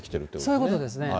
そういうことですね。